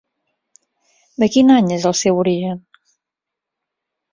De quin any és el seu origen?